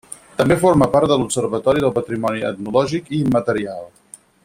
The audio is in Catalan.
També forma part de l'Observatori del Patrimoni Etnològic i Immaterial.